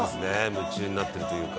夢中になってるというか」